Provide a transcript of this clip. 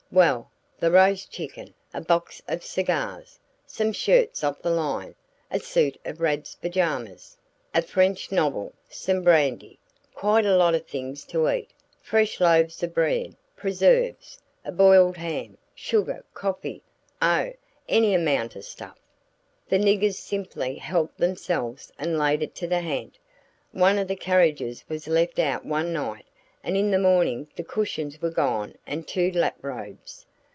"Well, the roast chicken, a box of cigars, some shirts off the line, a suit of Rad's pajamas, a French novel, some brandy, quite a lot of things to eat fresh loaves of bread, preserves, a boiled ham, sugar, coffee oh, any amount of stuff! The niggers simply helped themselves and laid it to the ha'nt. One of the carriages was left out one night, and in the morning the cushions were gone and two lap robes.